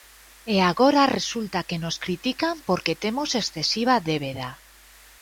E agora resulta que nos critican porque temos excesiva débeda.